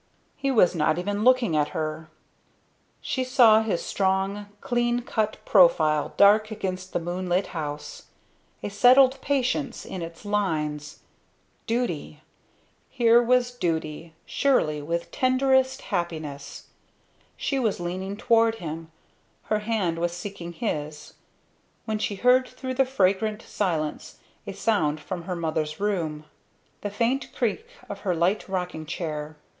He was not even looking at her; she saw his strong, clean cut profile dark against the moonlit house, a settled patience in its lines. Duty! Here was duty, surely, with tenderest happiness. She was leaning toward him her hand was seeking his, when she heard through the fragrant silence a sound from her mother's room the faint creak of her light rocking chair.